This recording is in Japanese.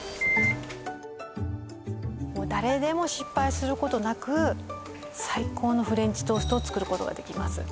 もう誰でも失敗することなく最高のフレンチトーストを作ることができます